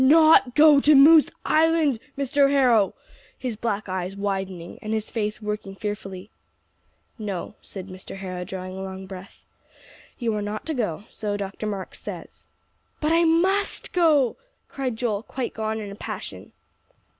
"Not go to Moose Island, Mr. Harrow?" his black eyes widening, and his face working fearfully. "No," said Mr. Harrow, drawing a long breath, "you are not to go; so Dr. Marks says." "But I must go," cried Joel, quite gone in passion.